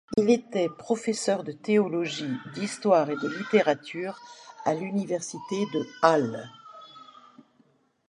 Il était professeur de théologie, d'histoire et de littérature à l'Université de Halle.